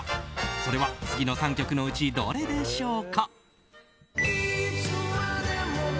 それは次の３曲のうちどれでしょうか？